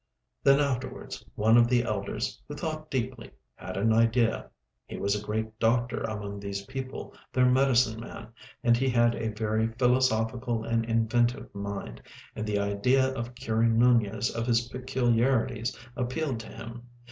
Then afterwards one of the elders, who thought deeply, had an idea. He was a great doctor among these people, their medicine man, and he had a very philosophical and inventive mind, and the idea of curing Nunez of his peculiarities appealed to him.